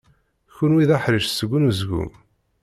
Kenwi d aḥric seg unezgum.